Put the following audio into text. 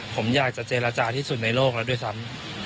ผมอยากจะเจรจาที่สุดในโลกแล้วด้วยซ้ำ